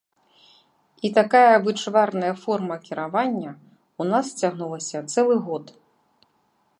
І такая вычварная форма кіравання ў нас цягнулася цэлы год.